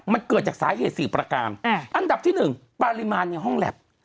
มันเกิดจากสาเหตุ๔ประการอันดับที่๑ปริมาณในห้องแล็บ